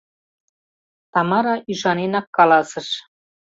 — Тамара ӱшаненак каласыш.